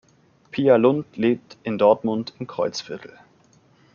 Pia Lund lebt in Dortmund im Kreuzviertel.